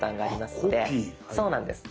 そうなんです。